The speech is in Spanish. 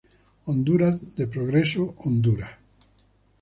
Honduras de progreso Honduras